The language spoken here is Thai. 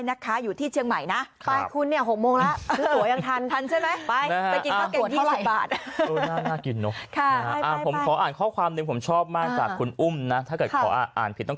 สมน้ำสมเนื้อนะคะแต่ว่าร้านอาหารเนี่ยเปิดขายวันไหนบ้าง